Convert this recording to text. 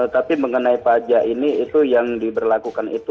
tapi mengenai pajak ini itu yang diberlakukan itu